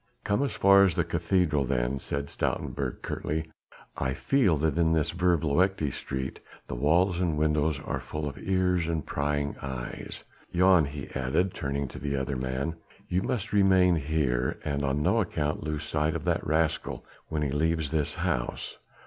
"Come as far as the cathedral then," said Stoutenburg curtly. "I feel that in this vervloekte street the walls and windows are full of ears and prying eyes. Jan," he added, turning to the other man, "you must remain here and on no account lose sight of that rascal when he leaves this house.